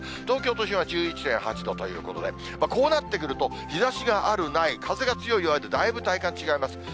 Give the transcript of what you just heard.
東京都心は１１．８度ということで、こうなってくると、日ざしがある、ない、風が強い、弱いでだいぶ体感違います。